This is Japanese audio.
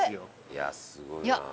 いやすごいなあ。